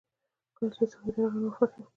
کله چې دې ساحې ته راغی نو وفات شو.